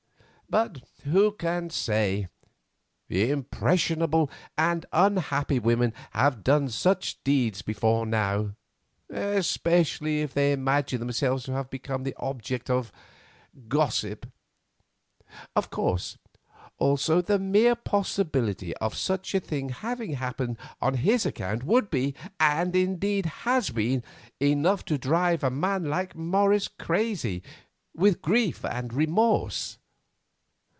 But who can say? Impressionable and unhappy women have done such deeds before now, especially if they imagine themselves to have become the object of gossip. Of course, also, the mere possibility of such a thing having happened on his account would be, and indeed has been, enough to drive a man like Morris crazy with grief and remorse."